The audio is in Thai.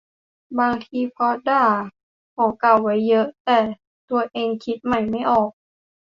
บางทีเพราะด่าของเก่าไว้เยอะ แต่ตัวเองคิดใหม่ไม่ออก